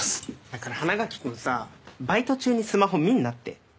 だから花垣君さバイト中にスマホ見んなって。